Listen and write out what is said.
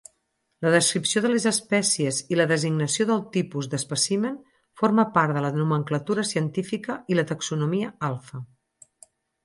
La descripció de les espècies i la designació del tipus d'espècimen forma part de la nomenclatura científica i la taxonomia alfa.